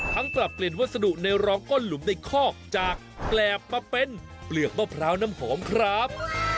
ปรับเปลี่ยนวัสดุในรองก้นหลุมในคอกจากแกรบมาเป็นเปลือกมะพร้าวน้ำหอมครับ